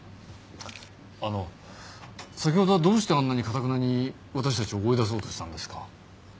あの先ほどはどうしてあんなに頑なに私たちを追い出そうとしたんですか？